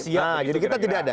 siap jadi kita tidak ada